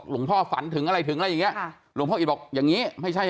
ฝันถึงอะไรถึงอะไรอย่างเงี้ค่ะหลวงพ่ออิตบอกอย่างงี้ไม่ใช่